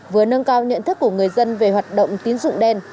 vừa nâng cao nhận thức của người dân về hoạt động tín dụng đen